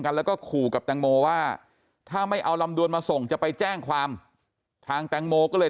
แล้วก็ขู่กับแตงโมว่าถ้าไม่เอาลำดวนมาส่งจะไปแจ้งความทางแตงโมก็เลย